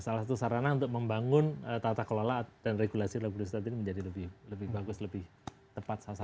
salah satu sarana untuk membangun tata kelola dan regulasi lebih bagus lebih tepat